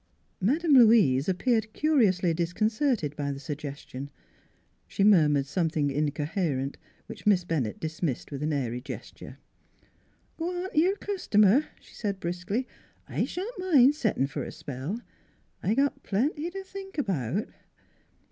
Madame Louise appeared curiously discon certed by the suggestion. She murmured some thing incoherent which Miss Bennett dismissed with an airy gesture. " G' on t' your cust'mer," she said briskly. u I shan't mind settin' f'r a spell. I got plenty t' think about."